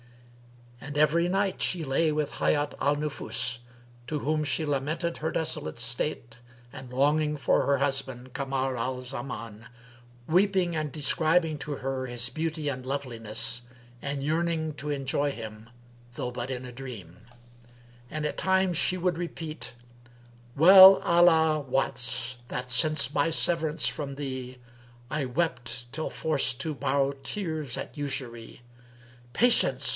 And every night she lay with Hayat al Nufus, to whom she lamented her desolate state and longing for her husband Kamar al Zaman; weeping and describing to her his beauty and loveliness, and yearning to enjoy him though but in a dream: And at times she would repeat, "Well Allah wots that since my severance from thee, * I wept till forced to borrow tears at usury: 'Patience!'